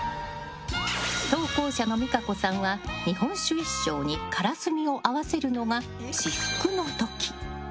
投稿者の実可子さんは日本酒１升にからすみを合わせるのが至福の時。